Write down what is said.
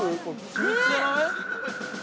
機密じゃない？